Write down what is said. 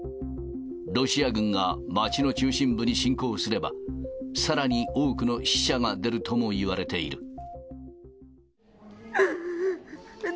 ロシア軍が街の中心部に侵攻すれば、さらに多くの死者が出るともいわれている。